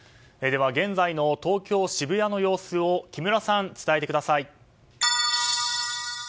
現在の東京・渋谷の様子を木村さん、伝えてください。